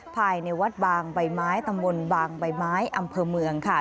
ภายในวัดบางใบไม้ตำบลบางใบไม้อำเภอเมืองค่ะ